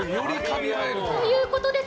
ということです。